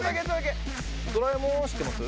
『ドラえもん』は知ってます？